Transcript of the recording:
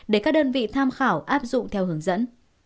để các đơn vị tham khảo áp dụng theo hướng dẫn